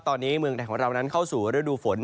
ตอนนี้เมืองไทยของเรานั้นเข้าสู่ฤดูฝน